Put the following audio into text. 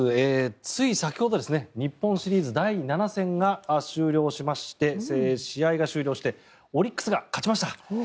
つい先ほど日本シリーズ第７戦が終了しましてオリックスが勝ちました。